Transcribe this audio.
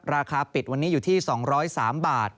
ราคาปิดวันนี้อยู่ที่๒๐๓บาท